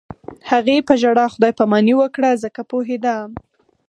هغې په ژړا خدای پاماني وکړه ځکه پوهېده